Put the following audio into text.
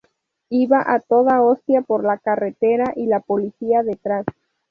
Iba a toda hostia por la carretera y la policía detrás